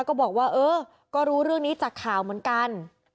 ก็บอกว่าเออก็รู้เรื่องนี้จากข่าวเหมือนกัน